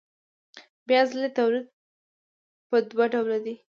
بیا ځلي تولید په دوه ډوله دی